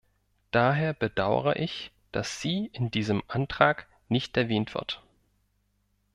Daher bedaure ich, dass sie in diesem Antrag nicht erwähnt wird.